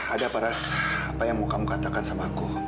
ada apa ras apa yang mau kamu katakan sama aku